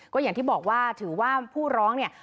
ก็อย่างที่บอกว่าถือว่าผู้ร้องเนี่ย